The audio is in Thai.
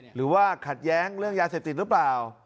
หรือว่าขัดแย้งเรื่องยาเสพติดหรือเปล่า